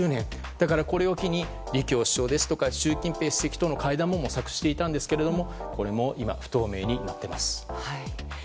だからこれを機に、李強首相とか習近平主席との会談も模索していましたがこれも今、不透明になっています。